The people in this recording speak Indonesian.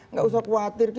nggak usah khawatir